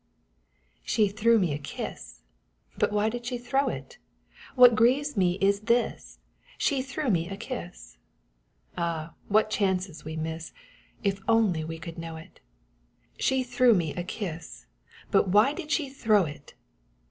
She threw me a kiss, But why did she throw it? What grieves me is this She threw me a kiss; Ah, what chances we miss If we only could know it! She threw me a kiss But why did she throw it!